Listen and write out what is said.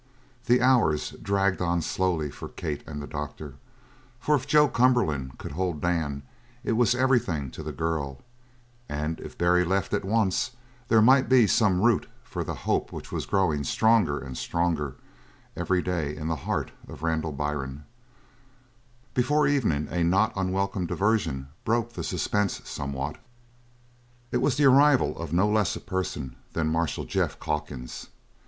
The hours dragged on slowly for Kate and the doctor, for if Joe Cumberland could hold Dan it was everything to the girl, and if Barry left at once there might be some root for the hope which was growing stronger and stronger every day in the heart of Randall Byrne. Before evening a not unwelcome diversion broke the suspense somewhat. It was the arrival of no less a person than Marshal Jeff Calkins.